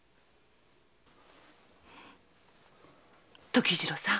時次郎さん。